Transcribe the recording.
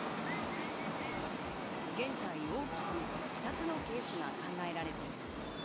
現在、大きく２つのケースが考えられています。